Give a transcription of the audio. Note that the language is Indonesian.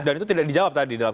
dan itu tidak dijawab tadi